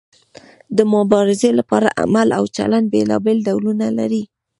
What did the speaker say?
د مبارزې لپاره عمل او چلند بیلابیل ډولونه لري.